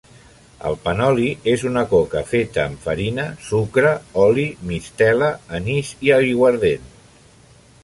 El panoli és una coca feta amb farina, sucre, oli, mistela, anís i aiguardent.